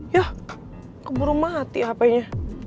yah keburu mati hpnya